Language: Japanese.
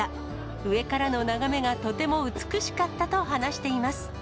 上からの眺めがとても美しかったと話しています。